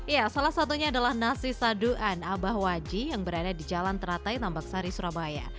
ya salah satunya adalah nasi saduan abah waji yang berada di jalan teratai tambak sari surabaya